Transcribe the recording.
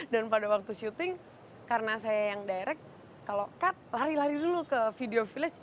dan pada waktu syuting karena saya yang direct kalau cut lari lari dulu ke video village